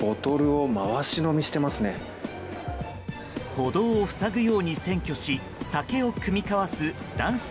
歩道を塞ぐように占拠し酒を酌み交わす男性